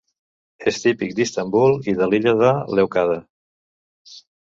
És típic d'Istanbul i de l'illa de Lèucada.